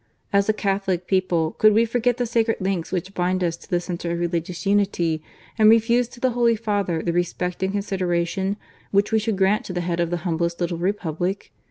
As a Catholic people, could we forget the sacred links which bind us to the centre of religious unity and refuse to the Holy Father the respect and consideration which we should grant to the head of the humblest little Republic